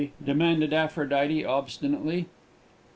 demanded Aphrodite, obstinately.